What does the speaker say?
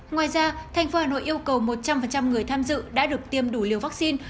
ngoài ra tp hà nội yêu cầu một trăm linh người tham dự đã được tiêm đủ liều vaccine